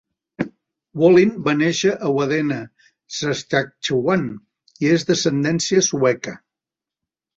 Wallin va néixer a Wadena, Saskatchewan, i és d'ascendència sueca.